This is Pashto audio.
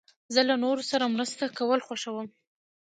زه له نورو سره مرسته کول خوښوم.